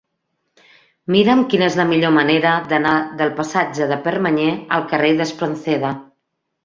Mira'm quina és la millor manera d'anar del passatge de Permanyer al carrer d'Espronceda.